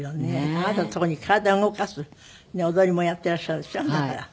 あなた特に体を動かす踊りもやっていらっしゃるでしょあなた。